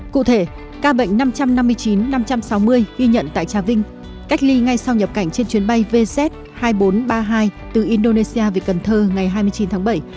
cụ thể ca bệnh năm trăm năm mươi chín năm trăm sáu mươi ghi nhận tại trà vinh cách ly ngay sau nhập cảnh trên chuyến bay vz hai nghìn bốn trăm ba mươi hai từ indonesia về cần thơ ngày hai mươi chín tháng bảy